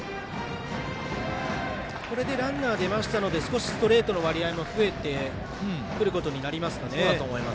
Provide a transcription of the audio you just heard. これでランナー出ましたので少しストレートの割合も増えてくることになりますかね。